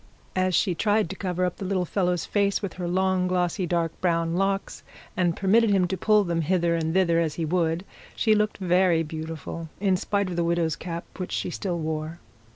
As she tried to cover up the little fellow's face with her long, glossy, dark brown locks, and permitted him to pull them hither and thither, as he would, she looked very beautiful in spite of the widow's cap which she still wore.